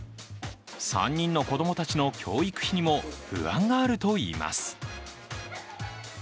３人の子供たちの教育費にも不安があるといいます。